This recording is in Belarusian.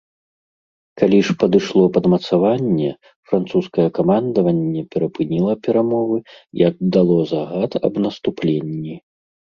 Калі ж падышло падмацаванне, французскае камандаванне перапыніла перамовы і аддало загад аб наступленні.